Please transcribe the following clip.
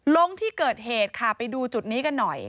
ลงที่เกิดเหตุค่ะไปดูจุดนี้กันหน่อย